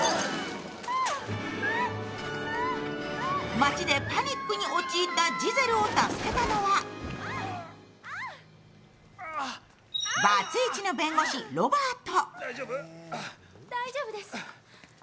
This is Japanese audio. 街でパニックに陥ったジゼルを助けたのは、バツイチの弁護士ロバート。